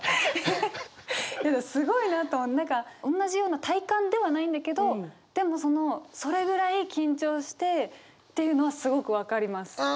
すごいなと何か同じような体感ではないんだけどでもそのそれぐらい緊張してっていうのはすごく分かります。